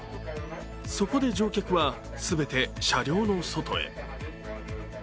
そこで乗客は全て車両の外へ。